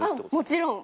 もちろん。